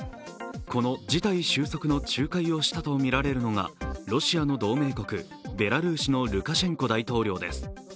この事態収束の仲介をしたとみられるのがロシアの同盟国・ベラルーシのルカシェンコ大統領です。